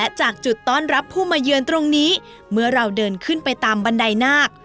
จากจุดต้อนรับผู้มาเยือนตรงนี้เมื่อเราเดินขึ้นไปตามบันไดนาค